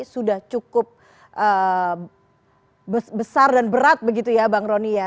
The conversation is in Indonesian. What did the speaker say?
sudah cukup besar dan berat begitu ya bang rony ya